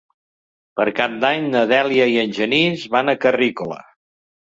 Per Cap d'Any na Dèlia i en Genís van a Carrícola.